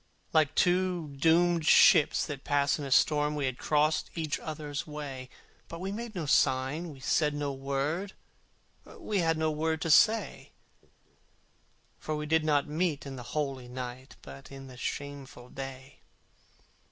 Like two doomed ships that pass in storm We had crossed each other's way: But we made no sign, we said no word, We had no word to say; For we did not meet in the holy night, But in the shameful day.